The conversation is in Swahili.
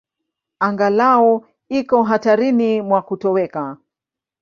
Angalau iko hatarini mwa kutoweka.